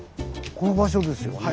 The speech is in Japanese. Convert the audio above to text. この場所ですよね。